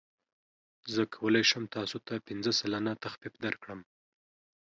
زه کولی شم تاسو ته پنځه سلنه تخفیف درکړم.